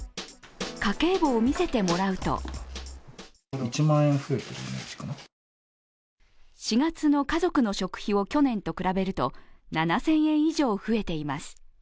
家計簿を見せてもらうと４月の家族の食費を去年と比べると７０００円以上増えています。